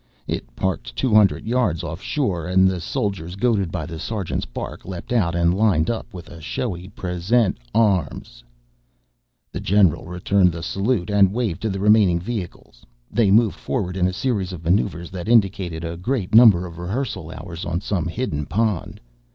It parked two hundred yards off shore and the soldiers, goaded by the sergeant's bark, leapt out and lined up with a showy present arms. The general returned the salute and waved to the remaining vehicles. They moved forward in a series of maneuvers that indicated a great number of rehearsal hours on some hidden pond.